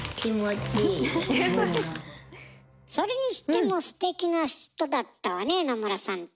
それにしてもすてきな人だったわね野村さんって。